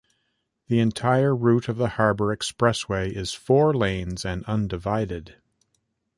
The entire route of the Harbour Expressway is four lanes and undivided.